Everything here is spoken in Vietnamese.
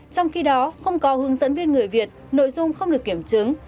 trong khi đó không có hướng dẫn viên người việt nội dung không được kiểm chứng